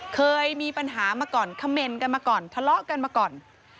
เคยมีปัญหามาก่อนคำเมนต์กันมาก่อนทะเลาะกันมาก่อน